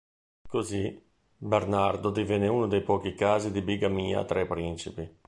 Così, Bernardo divenne uno dei pochi casi di bigamia tra i principi.